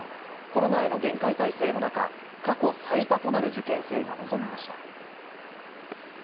コロナへの厳戒態勢の中、過去最多となる受験生が臨みました。